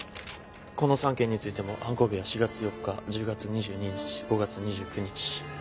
この３件についても犯行日は４月４日１０月２２日５月２９日でしたよね。